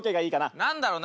何だろうな